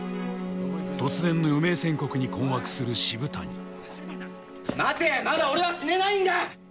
突然の余命宣告に困惑する渋谷待てまだ俺は死ねないんだ！